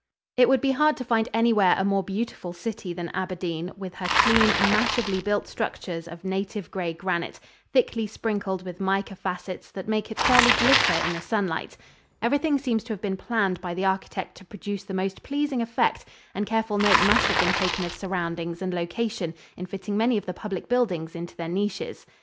] It would be hard to find anywhere a more beautiful city than Aberdeen, with her clean, massively built structures of native gray granite, thickly sprinkled with mica facets that make it fairly glitter in the sunlight. Everything seems to have been planned by the architect to produce the most pleasing effect, and careful note must have been taken of surroundings and location in fitting many of the public buildings into their niches.